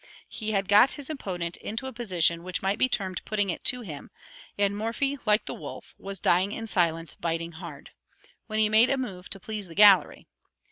He had got his opponent into a position which might be termed "putting it to him," and Morphy, like the wolf, was "Dying in silence, biting hard," when he made a move "to please the gallery."